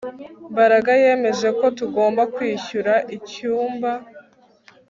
Mbaraga yemeje ko tugomba kwishyura icyumba